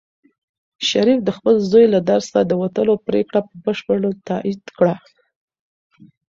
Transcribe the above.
شریف د خپل زوی له درسه د وتلو پرېکړه په بشپړ ډول تایید کړه.